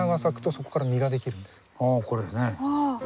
あこれね。